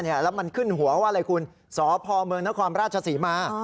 แล้วมันขึ้นหัวว่าอะไรคุณสพเมืองนครราชศรีมา